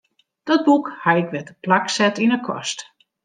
Dat boek haw ik wer teplak set yn 'e kast.